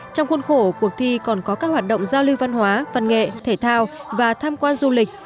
trong khuôn khổ cuộc thi còn có các hoạt động giao lưu văn hóa văn nghệ thể thao và tham quan du lịch